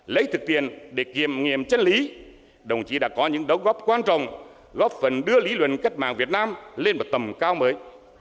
lấy thực tiền để kiềm nghiệm chân lý đồng chí đã có những đóng góp quan trọng góp phần đưa lý luận cách mạng việt nam lên một tầm cao mới